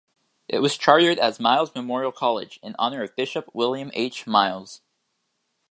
It was chartered as Miles Memorial College, in honor of Bishop William H. Miles.